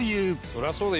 「そりゃそうだ。